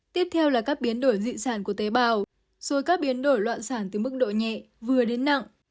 tiếp theo là các biến đổi dị sản của tế bào rồi các biến đổi loạn sản từ mức độ nhẹ vừa đến nặng